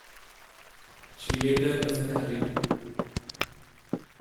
She later miscarried.